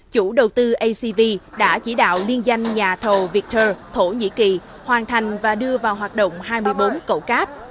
chủ đầu tư acv đã chỉ đạo liên danh nhà thầu victor thổ nhĩ kỳ hoàn thành và đưa vào hoạt động hai mươi bốn cậu cáp